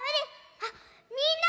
あっみんな！